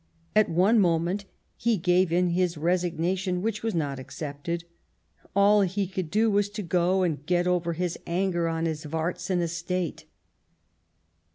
At one moment he gave in his resignation, which was not accepted ; all he could do was to go and get over his anger on his Varzin estate.